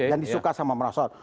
yang disuka sama grassroot